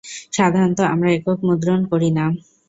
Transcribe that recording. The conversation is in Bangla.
সাধারণত, আমরা একক মুদ্রণ করি না।